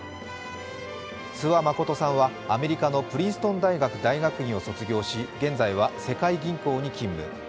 諏訪理さんはアメリカのプリンストン大学大学院を卒業し現在は世界銀行に勤務。